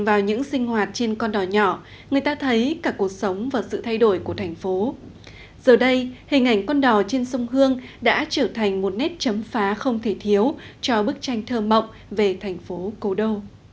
trong sứ thơ ấy có dòng sông thơ có con đỏ trên sông hương đã trở thành một nét chấm phá không thể thiếu cho bức tranh thơ mộng về thành phố cổ đô